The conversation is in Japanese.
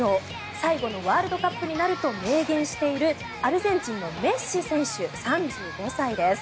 最後のワールドカップになると明言しているアルゼンチンのメッシ選手３５歳です。